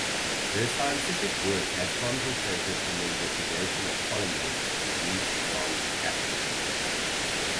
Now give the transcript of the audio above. Her scientific work has concentrated on the investigation of polymers with neutron scattering.